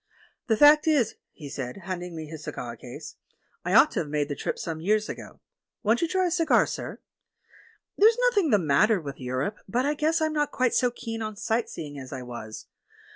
"The fact is," he said, handing me his cigar case, "I ought to have made the trip some years ago. — Won't you tiy a cigar, sir? — There's noth ing the matter with Europe, but I guess I'm not quite so keen on sight seeing as I was.